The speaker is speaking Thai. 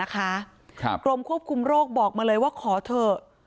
กรมควบคุมโรคบอกมาเลยว่าขอเถอะ